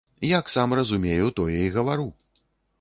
Як сам разумею, тое і гавару.